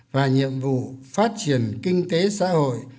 và nhiệm vụ phát triển kinh tế xã hội